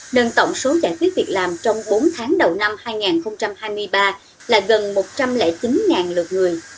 nâng tổng số giải quyết việc làm trong bốn tháng đầu năm hai nghìn hai mươi ba là gần một trăm linh chín lượt người